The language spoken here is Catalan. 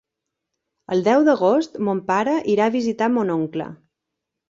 El deu d'agost mon pare irà a visitar mon oncle.